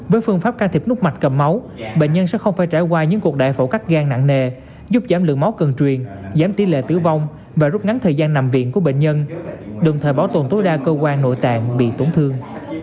với phương pháp can thiệp nút mạch cầm máu bệnh nhân sẽ không phải trải qua những cuộc đại phẫu cắt gan nặng nề giúp giảm lượng máu cần truyền giảm tỷ lệ tử vong và rút ngắn thời gian nằm viện của bệnh nhân đồng thời bảo tồn tối đa cơ quan nội tạng bị tổn thương